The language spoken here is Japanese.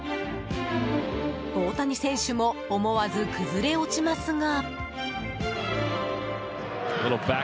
大谷選手も思わず崩れ落ちますが。